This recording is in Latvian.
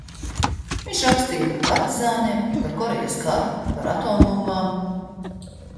Viņš rakstīja par partizāniem, par Korejas karu, par atombumbām.